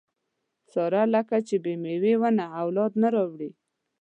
ساره لکه بې مېوې ونه اولاد نه راوړي.